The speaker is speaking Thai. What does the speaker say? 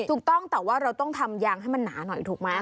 ถูกต้องแต่ว่าเราต้องทำยางให้มันหนาหน่อยถูกไหม